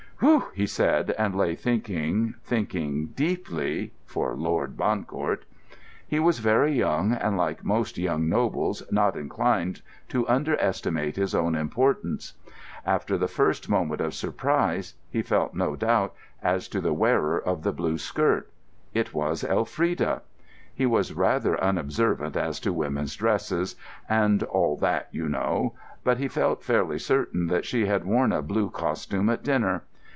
"Whew!" he said, and lay thinking, thinking deeply—for Lord Bancourt. He was very young, and, like most young nobles, not inclined to underestimate his own importance. After the first moment of surprise, he felt no doubt as to the wearer of the blue skirt. It was Elfrida. He was rather unobservant as to women's dresses "and all that, you know": but he felt fairly certain that she had worn a blue costume at dinner.